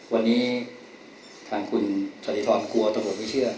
วันนี้ทางคุณสริทรกลัวตำรวจไม่เชื่อ